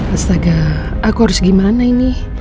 astaga aku harus gimana ini